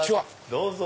どうぞ。